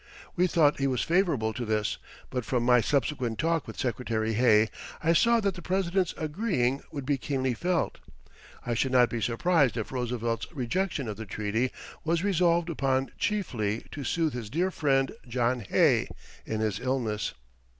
We thought he was favorable to this, but from my subsequent talk with Secretary Hay, I saw that the President's agreeing would be keenly felt. I should not be surprised if Roosevelt's rejection of the treaty was resolved upon chiefly to soothe his dear friend John Hay in his illness.